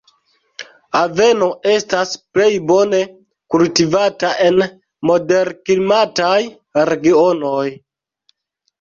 Aveno estas plej bone kultivata en moderklimataj regionoj.